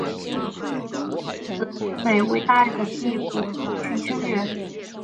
永泽正美为大日本帝国陆军军人。